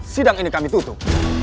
sedang ini kami tutup